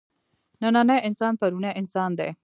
نننی انسان پروني انسان دی.